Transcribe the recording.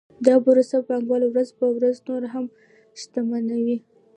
دا پروسه پانګوال ورځ په ورځ نور هم شتمنوي